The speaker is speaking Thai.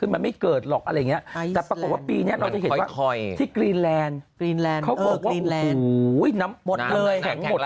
พิโรคว่าโห้หนังแข็งละลาย